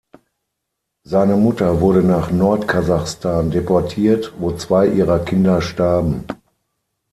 Seine Mutter wurde nach Nordkasachstan deportiert, wo zwei ihrer Kinder starben.